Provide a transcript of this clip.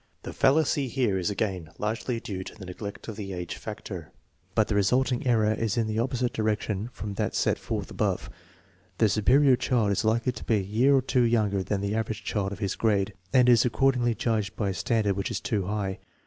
1 The fal lacy here is again largely due to the neglect of the age factor, but the resulting error is in the opposite direction from that set forth above. The superior child is likely to be a year or two younger than the average child of his grade, and is ac cordingly judged by a standard which is too high.